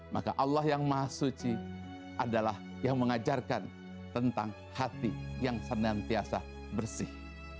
maka allah yang maha suci adalah yang mengajarkan tentang hati yang senantiasa bersih